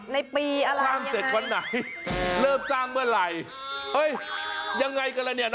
ในปีอะไรสร้างเสร็จวันไหนเริ่มสร้างเมื่อไหร่เฮ้ยยังไงกันแล้วเนี่ยนะ